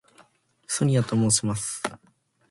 ソニアと申します。